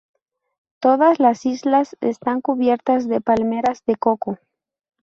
Todas las islas están cubiertas de palmeras de coco.